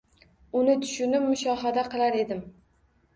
Uni tushunib mushohada qilar edim.